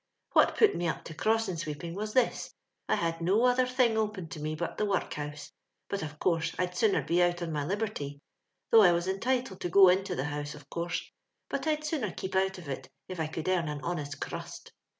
" What put me up to crossing sweeping was this — I had no other thing open to me but the workhouse; hut of course I'd sooner be out on my liberty, though I was entitled to go into the housf», of course, but I'd sooner keep out of it if I could earn an honest currust.